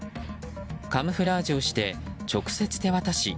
カムフラージュをして直接、手渡し